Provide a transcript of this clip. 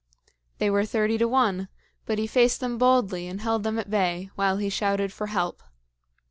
They were thirty to one, but he faced them boldly and held them at bay, while he shouted for help.